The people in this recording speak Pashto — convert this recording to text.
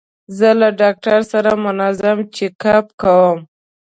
زه له ډاکټر سره منظم چیک اپ کوم.